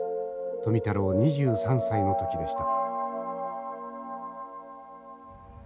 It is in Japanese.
富太郎２３歳の時でした。